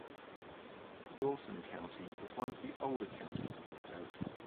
Dawson County is one of the older counties of the state.